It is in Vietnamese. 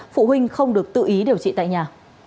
phụ huynh không được tự ý điều trị tại nhà